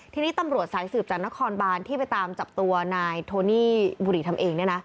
ทีนี้ตำรวจสายสืบจากนครบานที่ไปตามจับตัวนายโทนี่บุรีทำเอง